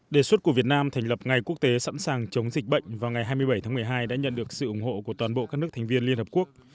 đề xuất của việt nam thành lập ngày quốc tế sẵn sàng chống dịch bệnh vào ngày hai mươi bảy tháng một mươi hai đã nhận được sự ủng hộ của toàn bộ các nước thành viên liên hợp quốc